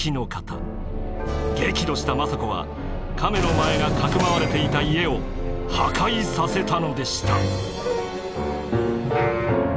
激怒した政子は亀の前がかくまわれていた家を破壊させたのでした。